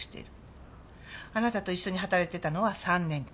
あなたと一緒に働いてたのは３年間。